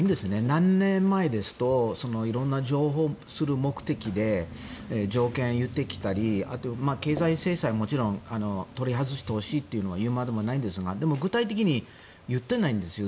何年前ですと色んな譲歩をする目的で条件を言ってきたり経済制裁ももちろん取り外してほしいというのは言うまでもないんですがでも、具体的に言っていないんですよ。